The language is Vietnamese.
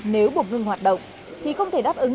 nếu buộc ngưng hoạt động thì không thể đáp ứng